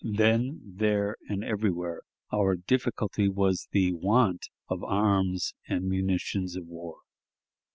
Then, there, and everywhere, our difficulty was the want of arms and munitions of war.